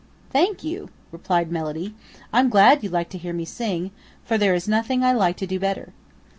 "Thank you," replied Melody. "I'm glad you like to hear me sing for there is nothing I like to do better.